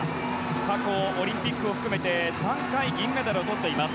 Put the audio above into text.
過去、オリンピックを含めて３回、銀メダルをとっています。